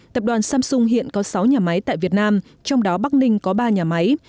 tập đoàn samsung hiện có sáu nhà máy tại việt nam trong đó bắc ninh có ba nhà máy